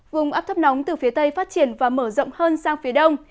vùng áp thấp nóng từ phía tây phát triển và mở rộng hơn sang phía đông